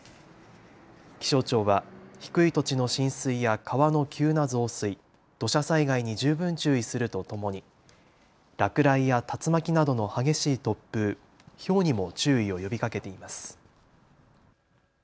気象庁は低い土地の浸水や川の急な増水、土砂災害に十分注意するとともに落雷や竜巻などの激しい突風、ひょうにも注意を呼びかけています。